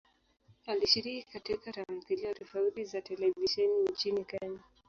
Alishiriki katika tamthilia tofauti za televisheni nchini Kenya.